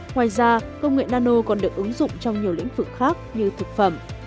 ngoài ra công nghệ nano còn được ứng dụng trong nhiều lĩnh vực khác như thực phẩm